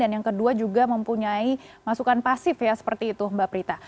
yang kedua juga mempunyai masukan pasif ya seperti itu mbak prita